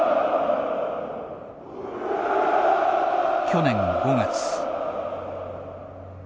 去年５月。